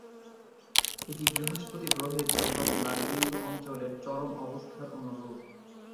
এটি বৃহস্পতি গ্রহের বৃহৎ লাল বিন্দু অঞ্চলের চরম অবস্থার অনুরূপ।